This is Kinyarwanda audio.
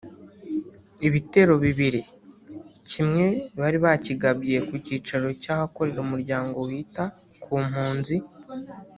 Ibitero bibiri; kimwe bari bakigabye ku kicaro cy’ahakorera umuryango wita ku mpunzi